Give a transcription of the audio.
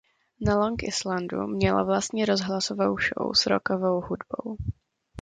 Na Long Islandu měla vlastní rozhlasovou show s rockovou hudbou.